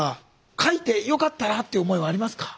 書いてよかったなっていう思いはありますか？